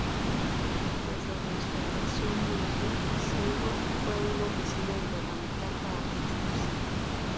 Tras la Restauración Meiji, Saigō fue a una oficina gubernamental para registrarse.